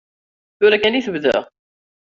Tura kan i tebda.